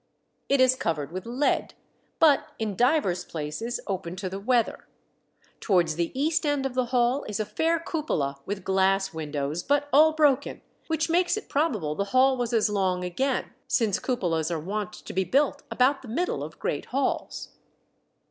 It is covered with lead, but in divers places open to the weather. Towards the east end of the hall is a fair cupola with glass windows, but all broken, which makes it probable the hall was as long again, since cupolas are wont to be built about the middle of great halls."